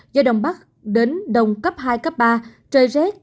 do đông bắc đến đông cấp hai cấp ba trời rết